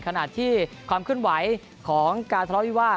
ขนาดที่ความขึ้นไหวของการทะเลาวิวาด